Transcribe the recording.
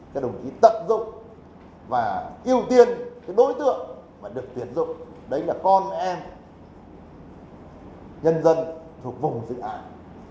tôi đồng ý tận dụng và ưu tiên đối tượng mà được tuyển dụng đấy là con em nhân dân thuộc vùng dự án